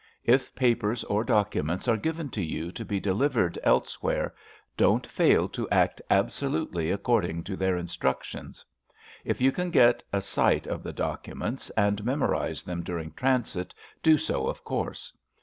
If papers or documents are given to you to be delivered elsewhere, don't fail to act absolutely according to their instructions. If you can get a sight of the documents, and memorise them during transit, do so, of course.